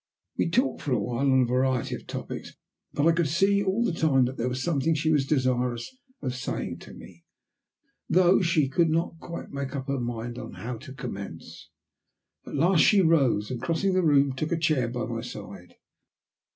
We talked for a while on a variety of topics, but I could see all the time that there was something she was desirous of saying to me, though she could not quite make up her mind how to commence. At last she rose, and crossing the room took a chair by my side.